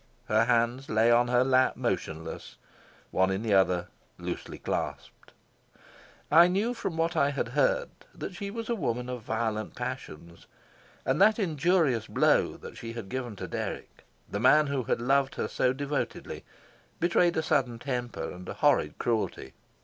Her hands lay on her lap motionless, one in the other loosely clasped. I knew from what I had heard that she was a woman of violent passions; and that injurious blow that she had given Dirk, the man who had loved her so devotedly, betrayed a sudden temper and a horrid cruelty.